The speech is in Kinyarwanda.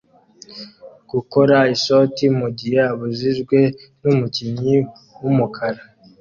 gukora ishoti mugihe abujijwe numukinnyi wumukara